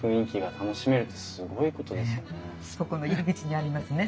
そこの入り口にありますね